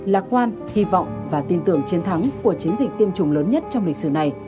lạc quan hy vọng và tin tưởng chiến thắng của chiến dịch tiêm chủng lớn nhất trong lịch sử này